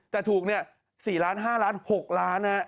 แต่ถูกเนี่ย๔ล้าน๕ล้าน๖ล้าน